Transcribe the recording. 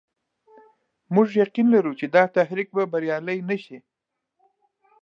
موږ يقين لرو چې دا تحریک به بریالی نه شي.